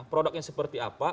produknya seperti apa